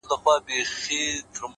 هره شېبه’